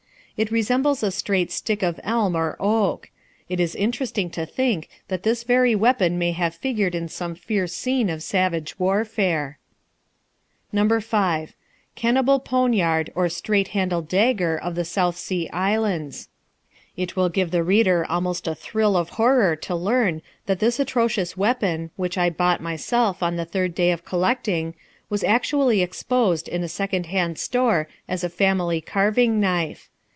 It resembles a straight stick of elm or oak. It is interesting to think that this very weapon may have figured in some fierce scene of savage warfare. No. 5. Cannibal poniard or straight handled dagger of the South Sea Islands. It will give the reader almost a thrill of horror to learn that this atrocious weapon, which I bought myself on the third day of collecting, was actually exposed in a second hand store as a family carving knife.